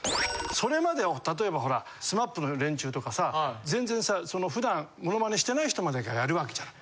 それまでは例えばほらＳＭＡＰの連中とかさ全然さ普段モノマネしてない人までがやるわけじゃん。